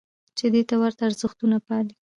چې دې ته ورته ارزښتونه پالي.